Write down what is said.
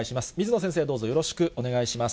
水野先生、どうぞよろしくお願いします。